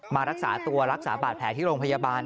มารักษาตัวรักษาบาดแผลที่โรงพยาบาล